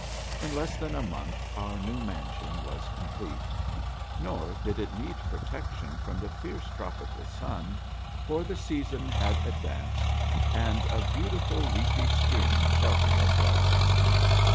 In less than a month our new mansion was complete. Nor did it need protection from the fierce tropical sun, for the season had advanced, and a beautiful leafy screen sheltered us all.